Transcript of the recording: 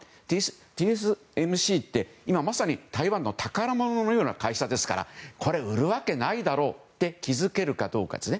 ＴＳＭＣって今、まさに台湾の宝物のような会社ですからこれを売るわけないだろうって気づけるかどうかですね。